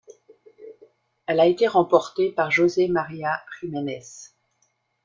Elle a été remportée par José María Jiménez.